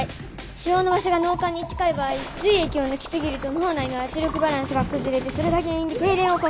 腫瘍の場所が脳幹に近い場合髄液を抜き過ぎると脳内の圧力バランスが崩れてそれが原因で痙攣を起こす。